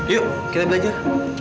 yuk kita belajar